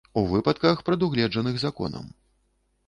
У выпадках, прадугледжаных законам.